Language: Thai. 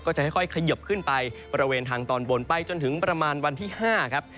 จะค่อยเขยิบขึ้นไปบริเวณทางตอนบนไปจนถึงประมาณวันที่๕ครับ